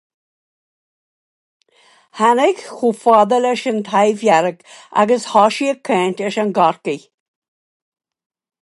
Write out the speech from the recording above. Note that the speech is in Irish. Tháinig chomh fada leis an Taibhdhearc agus thosaigh ag caint leis an gCorcaíoch.